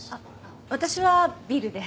私はビールで。